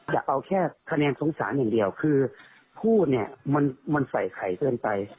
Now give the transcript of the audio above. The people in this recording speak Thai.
จะเอาแค่คะแนนสงสารอย่างเดียวคือพูดเนี่ยมันใส่ไข่เกินไป